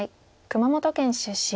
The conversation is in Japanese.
熊本県出身。